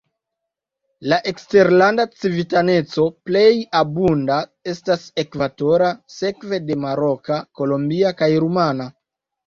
La eksterlanda civitaneco plej abunda estas ekvatora, sekve de maroka, kolombia kaj rumana.